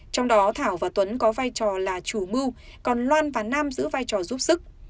trong đó thảo và tuấn có vai trò là chủ mưu còn loan và nam giữ vai trò giúp sức